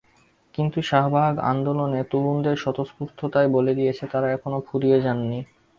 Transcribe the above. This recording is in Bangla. কিন্তু শাহবাগ আন্দোলনে তরুণদের স্বতঃস্ফূর্ততাই বলে দিয়েছে, তাঁরা এখনো ফুরিয়ে যাননি।